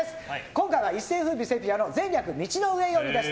今回は一世風靡セピアの「前略、道の上より」です。